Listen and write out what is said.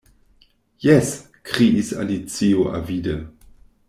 "Jes," kriis Alicio avide.